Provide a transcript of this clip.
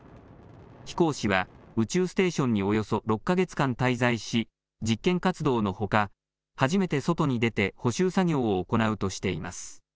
飛行士は宇宙ステーションにおよそ６か月間滞在し実験活動のほか、初めて外に出て補修作業を行うとしています。